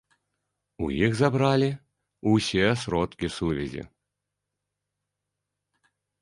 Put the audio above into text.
У іх забралі ўсе сродкі сувязі.